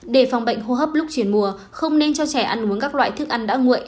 để phòng bệnh hô hấp lúc chuyển mùa không nên cho trẻ ăn uống các loại thức ăn đã nguội